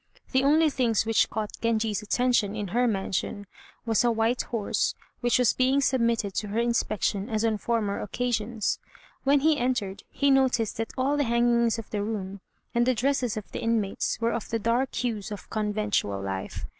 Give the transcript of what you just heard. The only things which caught Genji's attention in her mansion was a white horse, which was being submitted to her inspection as on former occasions. When he entered, he noticed that all the hangings of the room and the dresses of the inmates were of the dark hues of conventual life.